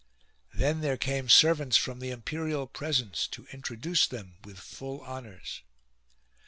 Then there came servants from the imperial presence to introduce them with full honours.